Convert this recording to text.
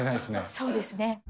そうですね。